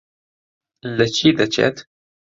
لە چی دەچێت؟